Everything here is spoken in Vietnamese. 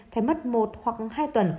phải mất một hoặc hai tuần